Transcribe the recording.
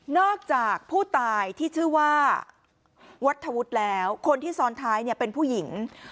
จากผู้ตายที่ชื่อว่าวัฒวุฒิแล้วคนที่ซ้อนท้ายเนี่ยเป็นผู้หญิง